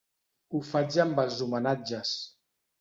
Ho faig amb els homenatges.